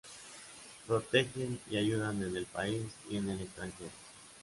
Protegen y ayudan en el país y en el extranjero.